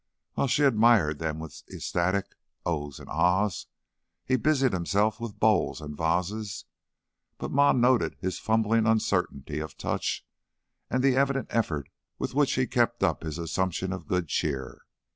While she admired them with ecstatic "Ohs!" and "Ahs!" he busied himself with bowls and vases, but Ma noted his fumbling uncertainty of touch and the evident effort with which he kept up his assumption of good cheer.